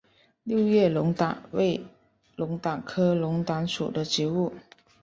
六叶龙胆为龙胆科龙胆属的植物。